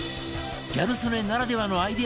ギャル曽根ならではのアイデア爆速